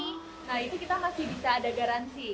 nah itu kita masih bisa ada garansi